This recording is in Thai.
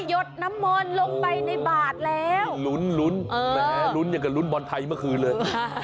ดน้ำมนต์ลงไปในบาทแล้วลุ้นลุ้นแหมลุ้นอย่างกับลุ้นบอลไทยเมื่อคืนเลย